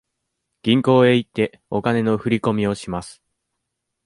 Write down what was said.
銀行へ行って、お金の振り込みをします。